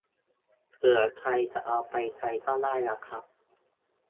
เผื่อใครจะเอาไปใช้ก็ได้นะครับ